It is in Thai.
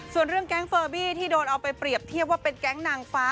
ส่วนเรื่องแก๊งเฟอร์บี้ที่โดนเอาไปเปรียบเทียบว่าเป็นแก๊งนางฟ้า